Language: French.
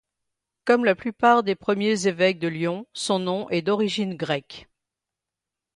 Comme la plupart des premiers évêques de Lyon, son nom est d'origine grecque.